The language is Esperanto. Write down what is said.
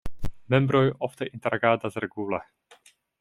Membroj ofte interagadas regule.